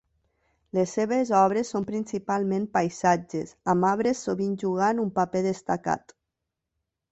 Les seves obres són principalment paisatges, amb arbres sovint jugant un paper destacat.